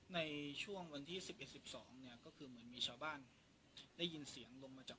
ในช่วงวันที่สิบเอ็ดสิบสองเนี้ยก็คือมันมีชาวบ้านได้ยินเสียงลงมาจาก